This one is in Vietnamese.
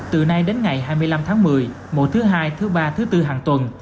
từ nay đến ngày hai mươi năm tháng một mươi mùa thứ hai thứ ba thứ tư hàng tuần